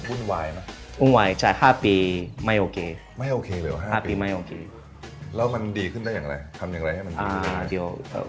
อุ้นมาตอนแรกทำอะไร